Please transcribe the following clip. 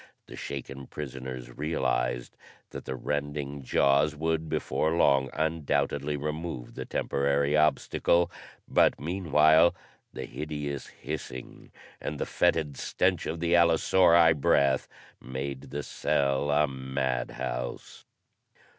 The shaken prisoners realized that the rending jaws would before long undoubtedly remove the temporary obstacle; but meanwhile the hideous hissing and the fetid stench of the allosauri breath made the cell a mad house.